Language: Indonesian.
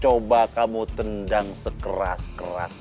coba kamu tendang sekeras keras